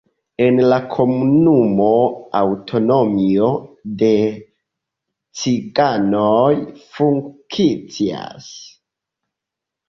En la komunumo aŭtonomio de ciganoj funkcias.